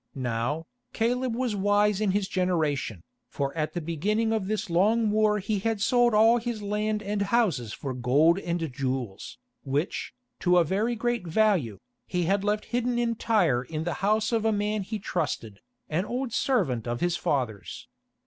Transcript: Now, Caleb was wise in his generation, for at the beginning of this long war he had sold all his land and houses for gold and jewels, which, to a very great value, he had left hidden in Tyre in the house of a man he trusted, an old servant of his father's.